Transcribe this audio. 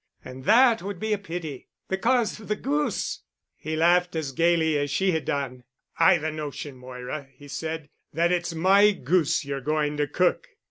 And that would be a pity—because of the goose." He laughed as gayly as she had done. "I've a notion, Moira," he said, "that it's my goose you're going to cook."